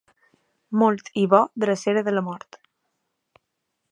Molt i bo, drecera de la mort.